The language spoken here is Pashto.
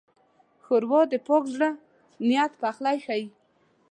ښوروا د پاک زړه نیت پخلی ښيي.